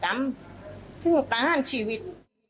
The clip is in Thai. ซึ่งก่านชีวิต